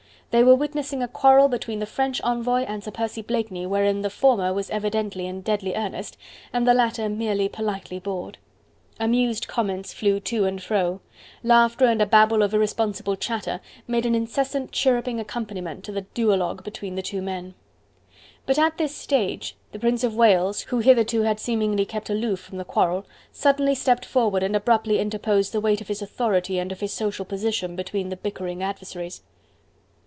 They were witnessing a quarrel between the French envoy and Sir Percy Blakeney wherein the former was evidently in deadly earnest and the latter merely politely bored. Amused comments flew to and fro: laughter and a babel of irresponsible chatter made an incessant chirruping accompaniment to the duologue between the two men. But at this stage, the Prince of Wales, who hitherto had seemingly kept aloof from the quarrel, suddenly stepped forward and abruptly interposed the weight of his authority and of his social position between the bickering adversaries.